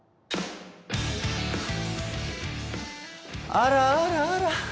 あらあらあら。